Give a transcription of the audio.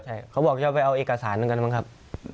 ใช่เขาบอกให้ไปเอาเอกสารนั้นกันนะครับ